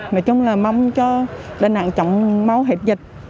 nói chung là mong cho đà nẵng chọn mau hết dịch